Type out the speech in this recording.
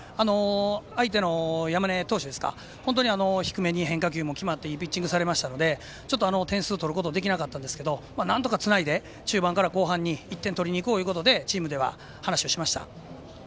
相手の山根投手変化球も決まっていいピッチングされましたので点数を取ることはできなかったんですがなんとかつないで中盤から後半に１点取りに行こうということでチームでは話しました。